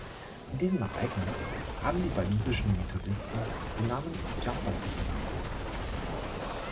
Diesem Ereignis haben die walisischen Methodisten den Namen „Jumper“ zu verdanken.